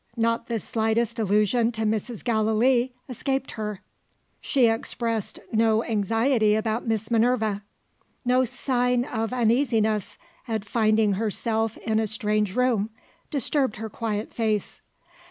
Not the slightest allusion to Mrs. Gallilee escaped her; she expressed no anxiety about Miss Minerva; no sign of uneasiness at finding herself in a. strange room, disturbed her quiet face.